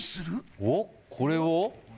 おっこれは？